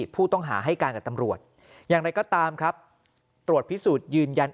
ผู้ต้องหาให้การกับตำรวจอย่างไรก็ตามครับตรวจพิสูจน์ยืนยัน